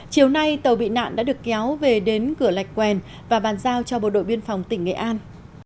chiều nay tàu bị nạn đã được kéo về đến cửa lạch quen và bàn giao cho bộ đội biên phòng tỉnh nghệ an